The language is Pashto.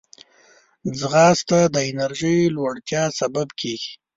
ځغاسته د انرژۍ لوړتیا سبب کېږي